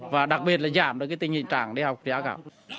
và đặc biệt là giảm được tình hình trạng để học giá cả